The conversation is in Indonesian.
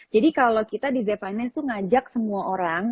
jadi kalau kita di zain finance itu ngajak semua orang